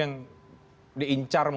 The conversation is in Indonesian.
yang diincar atau